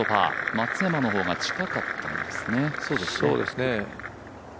松山の方が近かったんですね。